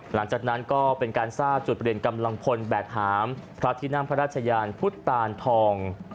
หลังจากนั้นก็เป็นการสร้างจุดเปลี่ยนกำลังพลแบกหามพระที่นั่งพระราชยานพุทธตานทอง